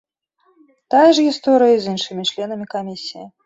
Тая ж гісторыя і з іншымі членамі камісіі.